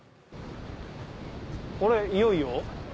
これいよいよ？